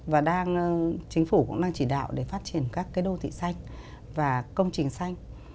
và chính phủ cũng đang chỉ đạo để phát triển các đô thị xanh và công trình xanh